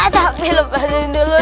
tapi lupakan dulu lho